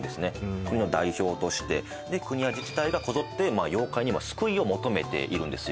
国の代表として国や自治体がこぞって妖怪に救いを求めているんですよ